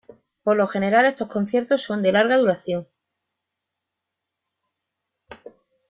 Por lo general, estos conciertos son de larga duración.